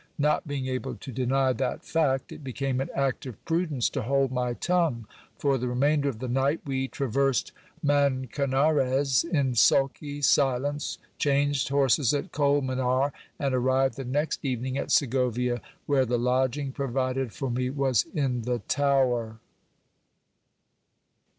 Not being able to deny that fact, it became an act of prudence to hold my tongue. For the remainder of the night we traversed Mancanarez in sulky silence, changed horses at Colmenar, and arrived the next evening at Segovia, where the lodging provided for me was in the tower.